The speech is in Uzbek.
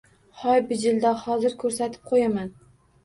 — Hoy bijildoq, hozir ko‘rsatib qo‘yaman!..